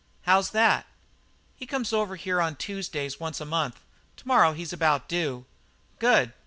"How's that?" "He comes over here on Tuesdays once a month; to morrow he's about due." "Good.